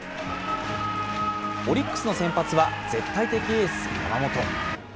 オリックスの先発は、絶対的エース、山本。